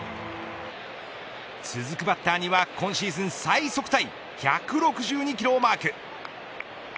続くバッターには今シーズン最速タイ１６２キロをマーク。